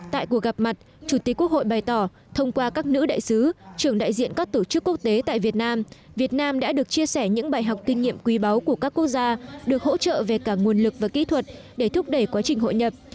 tại cuộc gặp mặt chủ tịch quốc hội bày tỏ thông qua các nữ đại sứ trưởng đại diện các tổ chức quốc tế tại việt nam việt nam đã được chia sẻ những bài học kinh nghiệm quý báu của các quốc gia được hỗ trợ về cả nguồn lực và kỹ thuật để thúc đẩy quá trình hội nhập